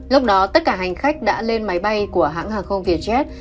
lúc đó tất cả hành khách đã lên máy bay của hãng hàng không vietjet